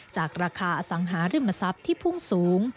จากราคาอสังหาริมทรัพย์ที่พุ่งสูง